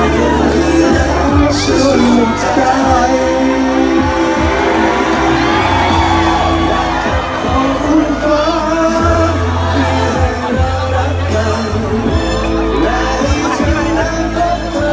ขอบคุณทุกคนที่ให้ฉันรักกันและอีกทีไม่นานกับเธอ